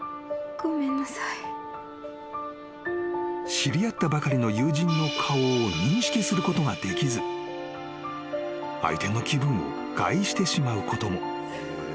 ［知り合ったばかりの友人の顔を認識することができず相手の気分を害してしまうことも］